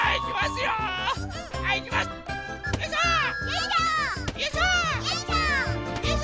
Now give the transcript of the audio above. よいしょ！